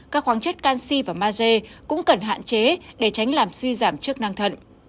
các khoáng chất canxi và maze cũng cần hạn chế để tránh làm suy giảm chức năng thận